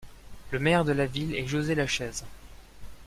Le maire de la ville est José Lachaise.